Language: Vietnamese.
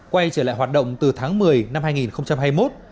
quay trở lại hoạt động từ tháng một mươi năm hai nghìn hai mươi một